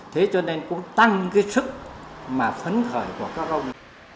thế cho nên cũng tăng cái sức mà phấn khởi của các ông